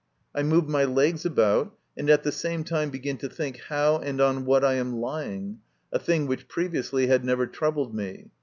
I move my legs about, and at the same time begin to think how and on what I am lying a thing which previously had never troubled me.